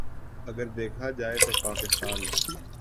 اگر دیکھا جائے تو پاکستان